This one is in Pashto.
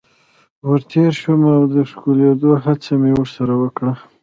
ور تیر شوم او د ښکلېدلو هڅه مې ورسره وکړه.